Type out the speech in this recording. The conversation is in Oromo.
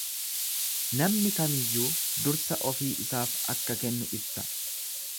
Namni kamiyyuu dursa ofii isaaf akka kennu ibsa